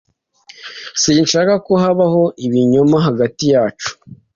Sinshaka ko habaho ibinyoma hagati yacu.